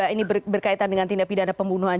ini berkaitan dengan tindak pidana pembunuhan